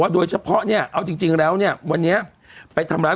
โดยเฉพาะเนี่ยเอาจริงแล้วเนี่ยวันนี้ไปทำร้าย